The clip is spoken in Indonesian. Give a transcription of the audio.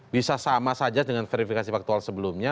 bisa sama saja dengan verifikasi faktual sebelumnya